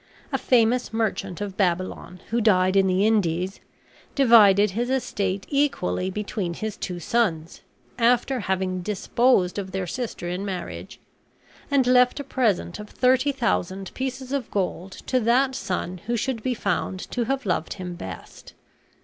A famous merchant of Babylon, who died in the Indies, divided his estate equally between his two sons, after having disposed of their sister in marriage, and left a present of thirty thousand pieces of gold to that son who should be found to have loved him best.